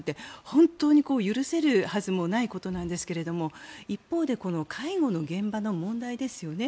本当に、許せるはずもないことなんですけど一方でこの介護の現場の問題ですよね。